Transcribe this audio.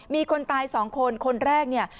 มีคนตายสองคนคนแรกเนี่ย